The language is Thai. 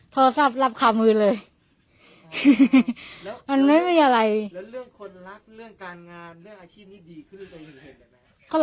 โทรศัพท์รับขามือเลยแล้วมันไม่มีอะไรแล้วเรื่องคนรักเรื่องการงานเรื่องอาชีพนี้ดีขึ้นเลยเห็นไหม